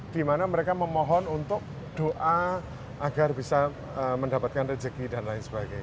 di mana mereka memohon untuk doa agar bisa mendapatkan rezeki dan lain sebagainya